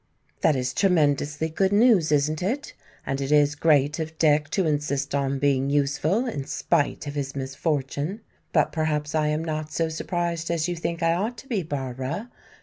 "That is tremendously good news, isn't it? And it is great of Dick to insist on being useful in spite of his misfortune! But perhaps I am not so surprised as you think I ought to be, Barbara.